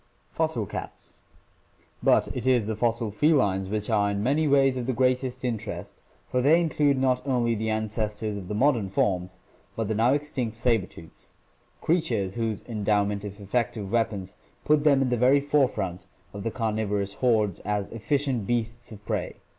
Fossil Cats. — But it is the fossil felines which are in many ways of the greatest interest, for they include not only the ancestors of the modern forms, but the now extinct saber tooths — creatures whose endowment of effective weapons put them in the very fore front of the carnivorous hordes as efficient beasts of prey.